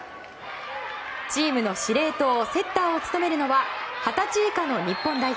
チームの司令塔セッターを務めるのは二十歳以下の日本代表